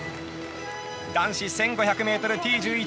男子１５００ｍ、Ｔ１１。